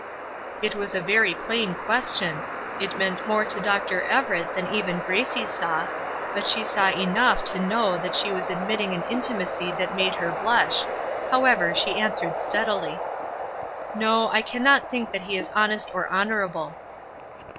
It was a very plain question. It meant more to Dr. Everett than even Gracie saw, but she saw enough to know that she was admitting an intimacy that made her blush; however, she answered steadily, "No, I cannot think that he is honest or honorable."